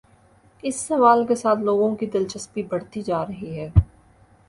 اس سوال کے ساتھ لوگوں کی دلچسپی بڑھتی جا رہی ہے۔